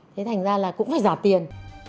thế thành ra là cũng phải giả tiền